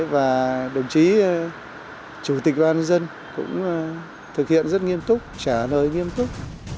và đồng chí chủ tịch ủy ban dân cũng thực hiện rất nghiêm túc trả lời nghiêm túc